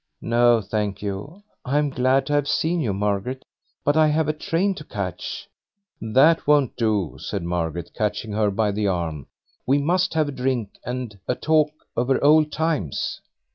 "No, thank you; I'm glad to have seen you, Margaret, but I've a train to catch." "That won't do," said Margaret, catching her by the arm; "we must have a drink and a talk over old times."